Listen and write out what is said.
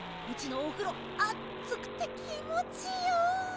うちのおふろあつくて気もちいいよ。